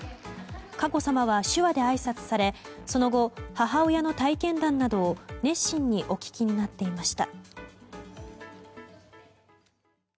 佳子さまは手話であいさつされその後、母親の体験談などを熱心にお聞きになっていました。